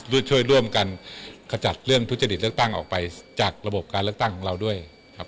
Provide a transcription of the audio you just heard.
ช่วยร่วมกันขจัดเรื่องทุจริตเลือกตั้งออกไปจากระบบการเลือกตั้งของเราด้วยครับ